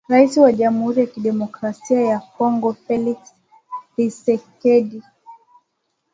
Rais wa Jamuhuri ya Kidemokrasia ya Kongo Felix Thisekedi